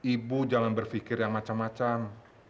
ibu jangan berpikir yang macam macam